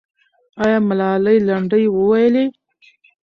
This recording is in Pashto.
آیا ملالۍ لنډۍ وویلې؟